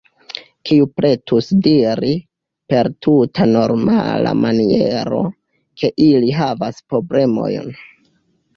Kiu pretus diri, per tuta normala maniero, ke ili havas problemojn?